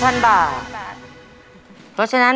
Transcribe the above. เพราะฉะนั้น